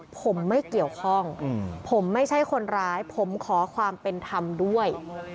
ผมไม่เกี่ยวข้องผมไม่ใช่คนร้ายผมขอความเป็นธรรมด้วย